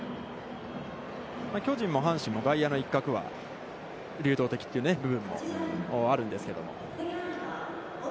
巨人も阪神も外野の一角は流動的という部分もあるんですけども。